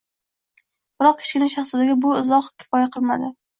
Biroq Kichkina shahzodaga bu izoh kifoya qilmadi.